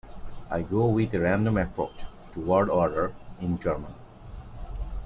I go with a random approach to word order in German.